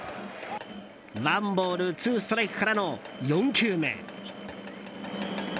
ワンボールツーストライクからの４球目。